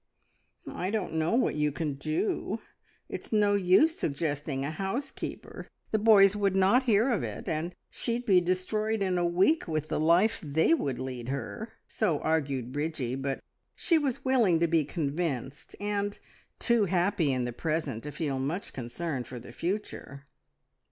"I don't know what you can do. It's no use suggesting a housekeeper the boys would not hear of it, and she'd be destroyed in a week with the life they would lead her!" So argued Bridgie, but she was willing to be convinced, and too happy in the present to feel much concern for the future.